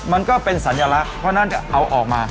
มันก็เป็นสัญลักษณ์เพราะฉะนั้นจะเอาออกมา